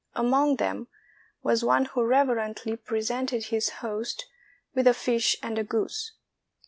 Among them was one who reverently presented his host with a fish and a goose.